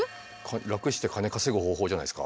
楽して金稼ぐ方法じゃないですか？